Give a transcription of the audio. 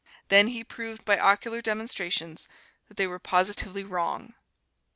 Then he proved by ocular demonstrations that they were positively wrong.